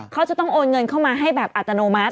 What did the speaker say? เขาจะต้องโอนเงินเข้ามาให้แบบอัตโนมัติ